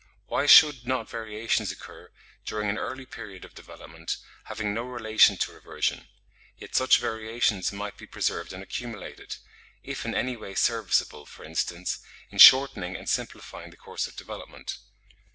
Why should not variations occur during an early period of development, having no relation to reversion; yet such variations might be preserved and accumulated, if in any way serviceable, for instance, in shortening and simplifying the course of development?